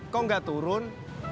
kok gak turun